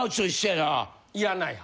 いらない派。